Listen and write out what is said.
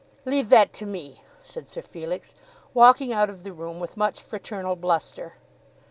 "Leave that to me," said Sir Felix, walking out of the room with much fraternal bluster.